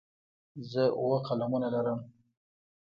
زه اووه قلمونه لرم.